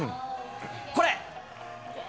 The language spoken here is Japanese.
これ。